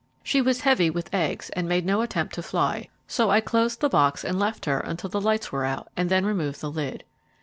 She was heavy with eggs, and made no attempt to fly, so I closed the box and left her until the lights were out, and then removed the lid.